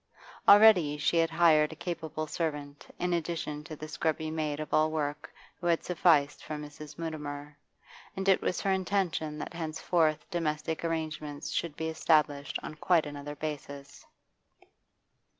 Already she had hired a capable servant in addition to the scrubby maid of all work who had sufficed for Mrs. Mutimer, and it was her intention that henceforth domestic arrangements should be established on quite another basis.